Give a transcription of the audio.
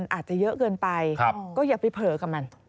อาจจะเยอะเกินไปก็อย่าไปเผลอกับมัน